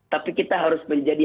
tapi kita harus menjadi